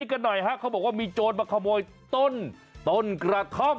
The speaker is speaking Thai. กันหน่อยฮะเขาบอกว่ามีโจรมาขโมยต้นต้นกระท่อม